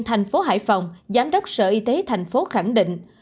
thành phố hải phòng giám đốc sở y tế thành phố khẳng định